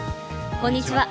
こんにちは。